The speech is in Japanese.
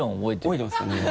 覚えてますかね？